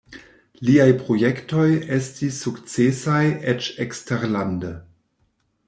Liaj projektoj estis sukcesaj eĉ eksterlande.